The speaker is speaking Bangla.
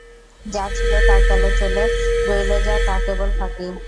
যা ছিল তা গেল চলে, রইল যা তা কেবল ফাঁকি।